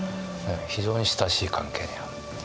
非常に親しい関係にある。